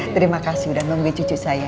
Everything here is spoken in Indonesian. terima kasih udah nungguin cucu saya